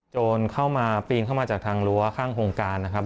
โจรเข้ามาปีนเข้ามาจากทางรั้วข้างโครงการนะครับ